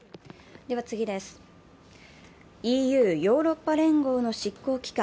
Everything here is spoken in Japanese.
ＥＵ＝ヨーロッパ連合の執行機関